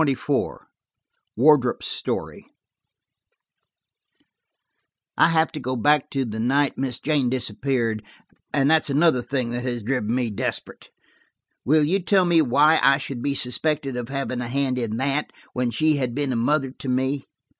CHAPTER XXIV WARDROP'S STORY "I HAVE to go back to the night Miss Jane disappeared–and that's another thing that has driven me desperate. Will you tell me why I should be suspected of having a hand in that, when she had been a mother to me?